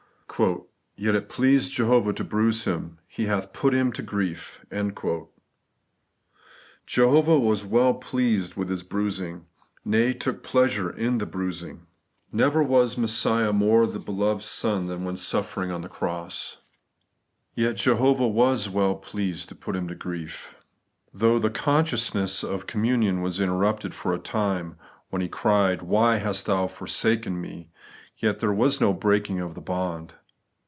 * Yet it pleased Jehovah to bruise Him, He hath put Him to grief.' Jehovah was well pleased with His bruising, — nay, took pleasure in bruising Him. Never was Messiah more the * beloved Son ' than when suffer The Declaration (f Hie Comjpleteness. 51 ing on the cross ; yet Jehovah was ' well pleased ' to put Him to grief. Though the consciousness of communion was interrupted for a time, when He cried, ' Why hast Thou forsaken me ?' yet there was no breaking of the bond.